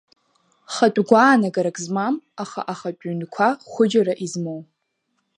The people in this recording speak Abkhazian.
Хатә гәаанагарак змам, аха ахатә ҩынқәа хәыџьара измоу.